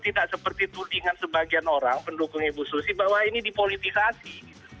tidak seperti tudingan sebagian orang pendukung ibu susi bahwa ini dipolitisasi